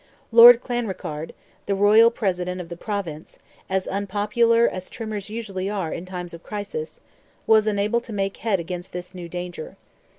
Lord Clanrickarde, the royal president of the province, as unpopular as trimmers usually are in times of crisis, was unable to make head against this new danger.